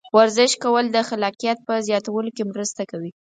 ورزش کول د خلاقیت په زیاتولو کې مرسته کوي.